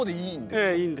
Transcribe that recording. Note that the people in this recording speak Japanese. ええいいんです。